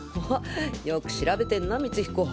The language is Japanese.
よく調べてるな光彦。